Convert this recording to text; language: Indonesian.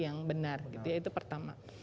untuk mencari informasi yang benar itu pertama